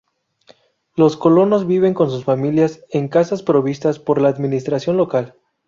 Los colonos viven con sus familias en casas provistas por la administración local.